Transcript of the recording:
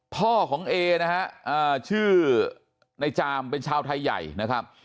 พ่อของเอนะฮะชื่อในจามเป็นชาวไทยใหญ่นะครับ